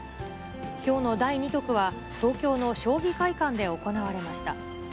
きょうの第２局は、東京の将棋会館で行われました。